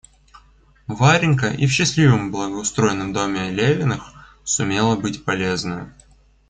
Варенька и в счастливом благоустроенном доме Левиных сумела быть полезною.